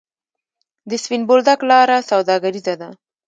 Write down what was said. د سپین بولدک لاره سوداګریزه ده